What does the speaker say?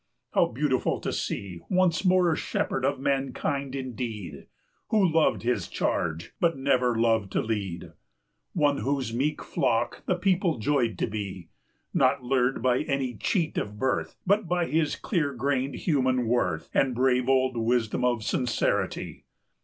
165 How beautiful to see Once more a shepherd of mankind indeed, Who loved his charge, but never loved to lead; One whose meek flock the people joyed to be, Not lured by any cheat of birth, 170 But by his clear grained human worth, And brave old wisdom of sincerity!